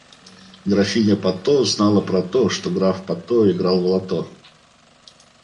Графиня Патто знала про то, что граф Патто играл в лото.